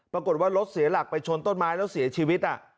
ปรากฏว่ารถเสียหลักไปชนต้นไม้แล้วเสียชีวิต